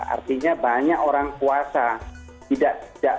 artinya banyak orang puasa